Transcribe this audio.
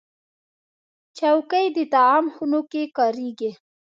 چوکۍ د طعام خونو کې کارېږي.